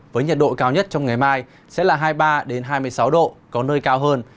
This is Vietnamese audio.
với nhiệt độ cao nhất trong ngày mai sẽ là hai mươi ba hai mươi sáu độ có nơi cao hơn